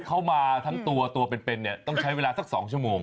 เข้ามาทั้งตัวตัวเป็นเนี่ยต้องใช้เวลาสัก๒ชั่วโมง